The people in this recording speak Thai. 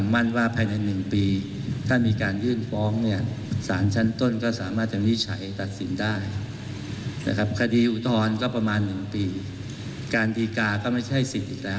บางเรื่องอาจจะสิ้นสุดที่สรรค์ก่อน